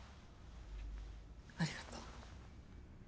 ありがとう。